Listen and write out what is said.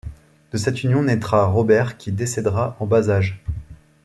De cette union naîtra Robert qui décédera en bas âge.